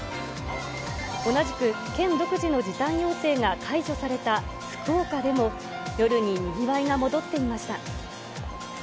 同じく県独自の時短要請が解除された福岡でも、夜ににぎわいが戻っていました。